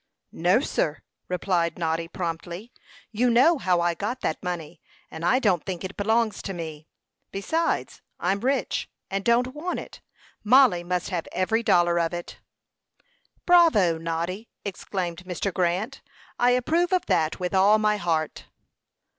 "No, sir;" replied Noddy, promptly. "You know how I got that money, and I don't think it belongs to me. Besides, I'm rich, and don't want it. Mollie must have every dollar of it." "Bravo, Noddy," exclaimed Mr. Grant. "I approve of that with all my heart."